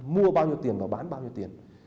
mua bao nhiêu tiền và bán bao nhiêu tiền